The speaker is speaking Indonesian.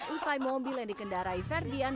usai mobil yang dikendarai ferdian